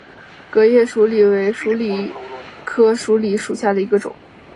革叶鼠李为鼠李科鼠李属下的一个种。